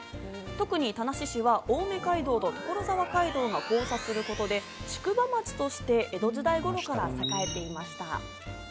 特に田無市は青梅街道と所沢街道の交差することで宿場町として江戸時代頃から栄えていました。